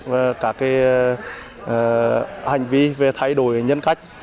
và các hành vi về thay đổi nhân cách